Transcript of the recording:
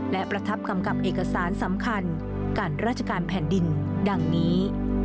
และประทับกำกับเอกสารสำคัญการราชการแผ่นดินดังนี้